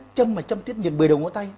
trâm mà trâm tuyết nhiệt mười đầu ngón tay